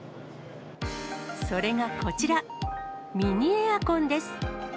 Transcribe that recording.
それがこちら、ミニエアコンです。